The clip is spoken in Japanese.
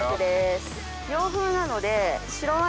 洋風なので。